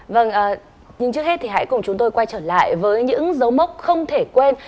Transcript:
vâng nhưng trước hết thì hãy cùng chúng tôi quay trở lại với những dấu mốc không thể quên